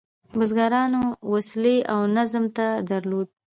بزګرانو وسلې او نظم نه درلود.